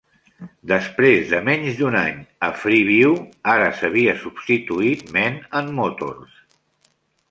Després de menys d'un any a Freeview, ara s'havia substituït Men and Motors.